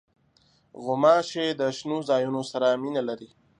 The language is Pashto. غوماشې د شنو ځایونو سره مینه لري.